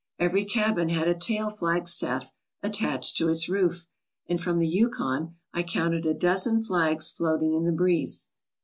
Every cabin had a tall flagstaff attached to its roof, and from the Yukon I counted a dozen flags floating in the breeze.